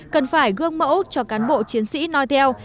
cần phải gương mẫu cho cán bộ chiến sĩ nói theo